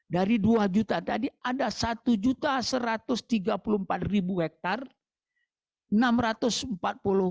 dari dua juta tadi ada satu satu ratus tiga puluh empat hektare